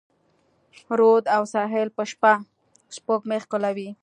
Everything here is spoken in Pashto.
رود او ساحل به شپه، سپوږمۍ ښکلوي